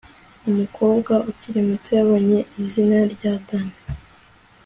umukobwa ukiri muto yabonye izina rya danny